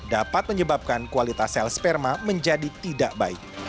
dapat menyebabkan kualitas sel sperma menjadi tidak baik